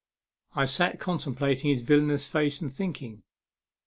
I sat contemplating his villainous face and thinking.